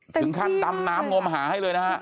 ถึงขั้นดำน้ำงมหาให้เลยนะฮะ